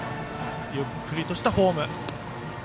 ゆっくりとしたフォーム。